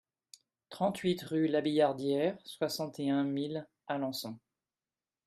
trente-huit rue Labillardière, soixante et un mille Alençon